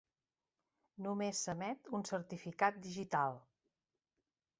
Només s'emet un certificat digital.